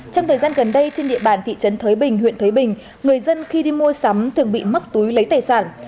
trong thời gian gần đây trên địa bàn thị trấn thới bình huyện thới bình người dân khi đi mua sắm thường bị mắc túi lấy tài sản